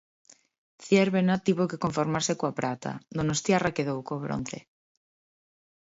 Zierbena tivo que conformarse coa prata, Donostiarra quedou co bronce.